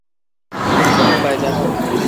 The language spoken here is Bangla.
তুমি কোনো উপায় জানো?